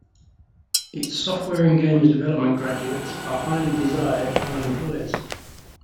Its software and games development graduates are highly desired by employers.